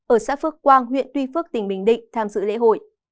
ở xã phước quang huyện tuy phước tỉnh bình định tham dự lễ hội